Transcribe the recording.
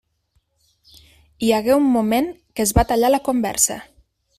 Hi hagué un moment que es va tallar la conversa.